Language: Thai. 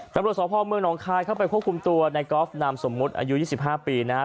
ตำรวจสพเมืองหนองคายเข้าไปควบคุมตัวในกอล์ฟนามสมมุติอายุ๒๕ปีนะฮะ